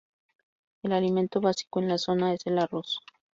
El alimento básico en la zona es el arroz.